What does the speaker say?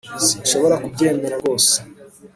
sinshobora kubyemera rwose